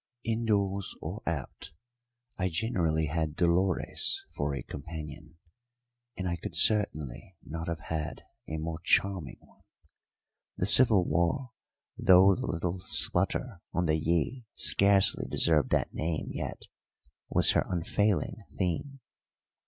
Indoors or out I generally had Dolores for a companion, and I could certainly not have had a more charming one. The civil war though the little splutter on the Yí scarcely deserved that name yet was her unfailing theme.